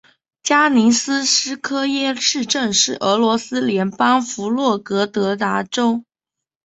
加里宁斯科耶市镇是俄罗斯联邦沃洛格达州托季马区所属的一个市镇。